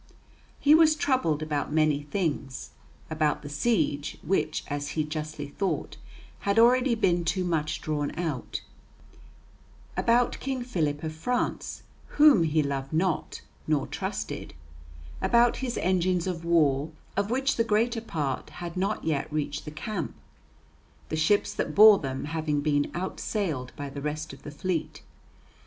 He was troubled about many things, about the siege, which, as he justly thought, had already been too much drawn out, about King Philip of France, whom he loved not nor trusted, about his engines of war, of which the greater part had not yet reached the camp; the ships that bore them having been outsailed by the rest of the fleet.